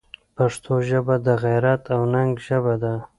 پښتو ژبه د غیرت او ننګ ژبه ده.